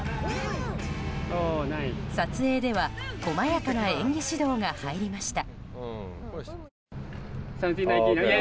撮影では細やかな演技指導が入りました。